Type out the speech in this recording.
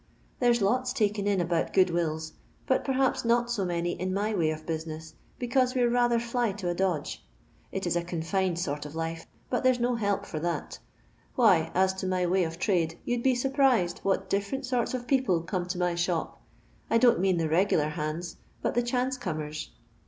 There 's lots taken in about good wills, but perhaps not so many in my way of business, because wc 're rather ' fly to a dodge.' It 's a confined sort of life, but there 's no help for that. Why, ns to my way of trade, you 'd be surprised, what dilFcrent sorts of people come to my shop. I don't mean the regular hands ; but the chance comers.